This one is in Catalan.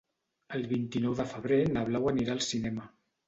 El vint-i-nou de febrer na Blau anirà al cinema.